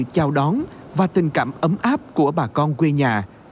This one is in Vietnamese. chào đón và tình cảm ấm áp của bà con quê nhà